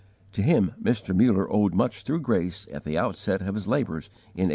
To him Mr. Muller owed much through grace at the outset of his labours in 1829.